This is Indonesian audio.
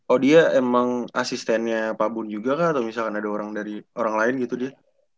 oh dia emang asistennya pak bun juga kah atau misalkan ada orang dari orang lain gitu dia